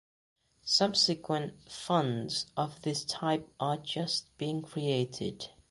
Subsequent funds of this type are just being created.